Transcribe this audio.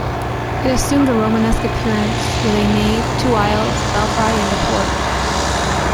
It assumed a Romanesque appearance, with a nave, two aisles, belfry, and porch.